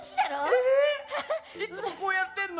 えいつもこうやってんの？